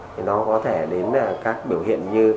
thì nó có thể đến các biểu hiện như